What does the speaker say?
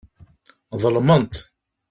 Ḍelment.